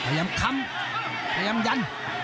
ทลายามคำทลายามยั้น